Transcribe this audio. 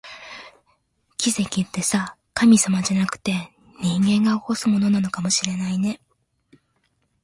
奇跡ってさ、神様じゃなくて、人間が起こすものなのかもしれないね